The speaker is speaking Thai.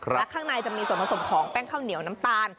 และข้างในจะมีส่วนผสมของแป้งข้าวเหนียวน้ำตาล